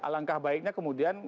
langkah baiknya kemudian